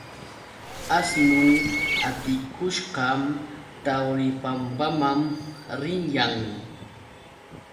Asnun atikushqam Tawripampaman riyan.